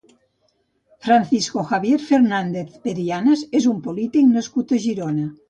Francisco Javier Fernández Perianes és un polític nascut a Girona.